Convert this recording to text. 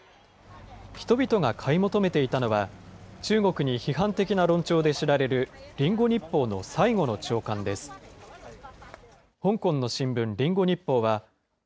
人々が買い求めていたのは、中国に批判的な論調で知られるリンゴ日報の最後の朝刊です。